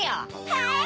はい！